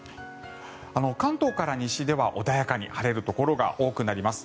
関東から西では穏やかに晴れるところが多くなります。